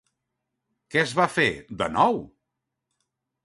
Què es va fer, de nou?